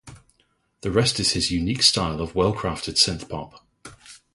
The rest is his unique style of well-crafted synth-pop.